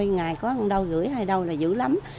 ngày có một đôi gửi hai đôi là dữ lắm